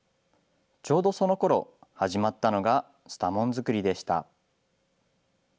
ちょうどそのころ始まったのがスタモン作りでした。